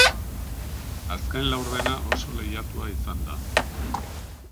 Azken laurdena oso lehiatua izan da.